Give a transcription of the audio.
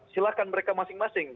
silahkan mereka masing masing